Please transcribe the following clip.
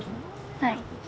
はい。